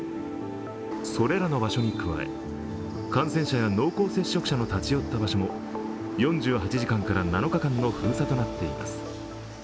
それらの場所に加え、感染者や濃厚接触者の立ち寄った場所も４８時間から７日間の封鎖となっています。